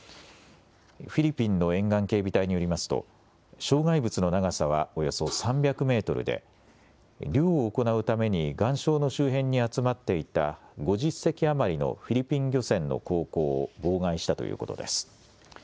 フィリピンの沿岸警備隊によりますと障害物の長さはおよそ３００メートルで漁を行うために岩礁の周辺に集まっていた５０隻余りのフィリピン漁船の航行を妨害したということです。